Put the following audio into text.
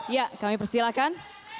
ya kami persilahkan